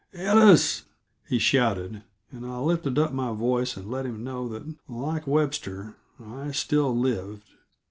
"Ellis!" he shouted, and I lifted up my voice and let him know that, like Webster, "I still lived."